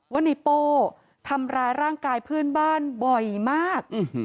ว่าในโป้ทำร้ายร่างกายเพื่อนบ้านบ่อยมาก